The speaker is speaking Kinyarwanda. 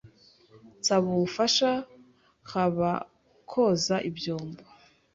nsaba ubufasha, haba koza ibyombo,